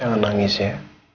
jangan nangis ya